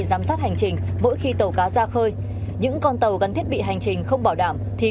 giám sát hành trình mỗi khi tàu cá ra khơi những con tàu gắn thiết bị hành trình không bảo đảm thì